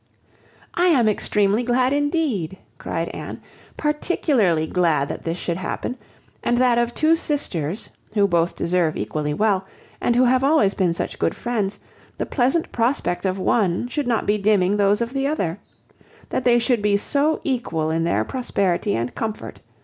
"I am extremely glad, indeed," cried Anne, "particularly glad that this should happen; and that of two sisters, who both deserve equally well, and who have always been such good friends, the pleasant prospect of one should not be dimming those of the other—that they should be so equal in their prosperity and comfort.